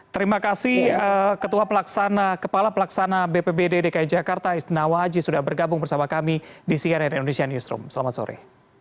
terima kasih ketua pelaksana kepala pelaksana bpbd dki jakarta istinawa haji sudah bergabung bersama kami di cnn indonesia newsroom selamat sore